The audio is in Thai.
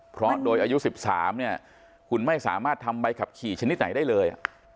เพราะโดยอายุ๑๓เนี่ยคุณไม่สามารถทำใบขับขี่ชนิดไหนได้เลย